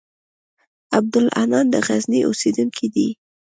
عبدالحنان د غزني اوسېدونکی دی.